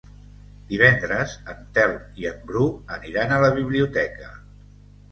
Divendres en Telm i en Bru aniran a la biblioteca.